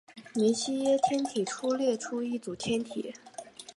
梅西耶天体中列出的一组天体。